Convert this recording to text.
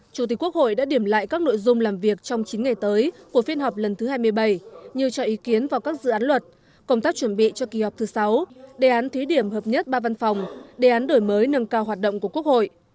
chủ tịch quốc hội đã điểm lại các nội dung làm việc trong chín ngày tới của phiên họp lần thứ hai mươi bảy như cho ý kiến vào các dự án luật công tác chuẩn bị cho kỳ họp thứ sáu đề án thí điểm hợp nhất ba văn phòng đề án đổi mới nâng cao hoạt động của quốc hội